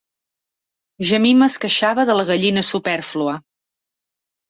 Jemima es queixava de la gallina supèrflua.